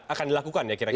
akan dilakukan ya kira kira